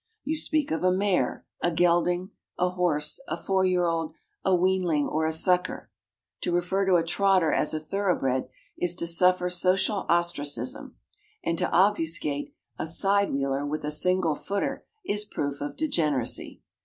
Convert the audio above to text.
You speak of a mare, a gelding, a horse, a four year old, a weanling or a sucker. To refer to a trotter as a thoroughbred is to suffer social ostracism, and to obfuscate a side wheeler with a single footer is proof of degeneracy.